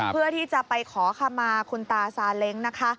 เพื่อที่จะไปขอขมาคุณตาซาเล็ง